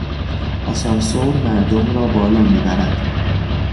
آسانسور مردم را بالا میبرد.